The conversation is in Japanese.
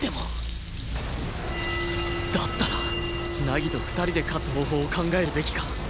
だったら凪と２人で勝つ方法を考えるべきか